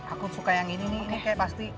aku suka yang ini nih kayak pasti